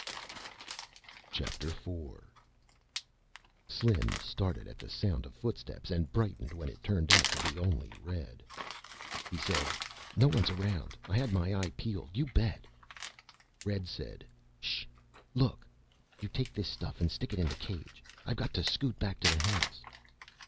IV Slim started at the sound of footsteps and brightened when it turned out to be only Red. He said, "No one's around. I had my eye peeled, you bet." Red said, "Ssh. Look. You take this stuff and stick it in the cage. I've got to scoot back to the house."